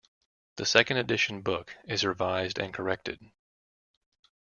The second edition book is revised and corrected.